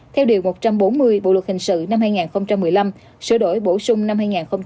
theo điều một trăm bốn mươi bộ luật hình sự năm hai nghìn một mươi năm sửa đổi bổ sung năm hai nghìn một mươi bảy